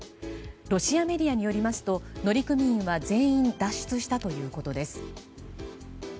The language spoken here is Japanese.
ロシアメディアによりますと乗組員は全員脱出したということです。